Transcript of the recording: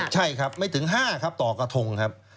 ใช่ครับไม่ถึง๕ครับต่อกระทงครับ